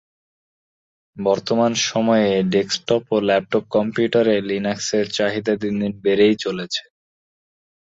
বর্তমান সময়ে ডেস্কটপ ও ল্যাপটপ কম্পিউটারে লিনাক্সের চাহিদা দিন দিন বেড়েই চলেছে।